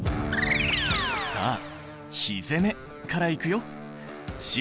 さあ火攻めからいくよ。